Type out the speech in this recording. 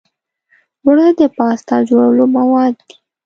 اوړه د پاستا جوړولو مواد دي